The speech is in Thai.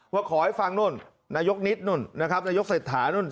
ว่าขอให้ฟังนั่นนายกนิสน์นั่นนายกเสดทะนั้น